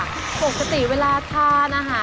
ไปต่อข้อต่อไปมีมูลค่า๑หมื่น๕๐๐๐บาทค่ะ